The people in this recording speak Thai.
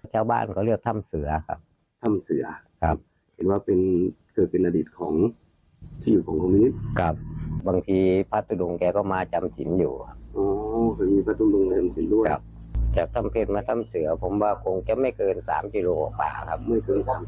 บางทีพระทุดงแกก็มาจำสินอยู่จากถ้ำเพชรมาถ้ำเสือผมว่าคงจะไม่เกินสามกิโลเมตร